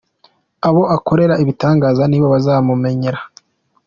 Abo akorera ibitangaza nibo bazamumenya